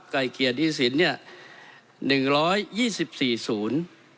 ไกลเกียร์หนี้สินเนี่ย๑๒๔ศูนย์